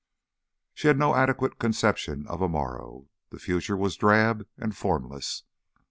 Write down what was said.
She had no adequate conception of a morrow. The future was drab and formless.